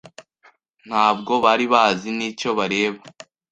Ntabwo bari bazi n'icyo bareba.